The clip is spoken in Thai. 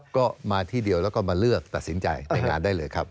ก็มาที่เดียวแล้วก็มาเลือกตัดสินใจแต่งงานได้เลยครับ